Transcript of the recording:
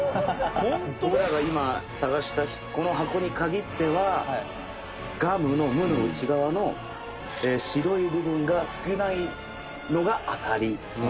「僕らが今探したこの箱に限っては「ガム」の「ム」の内側の白い部分が少ないのが当たり」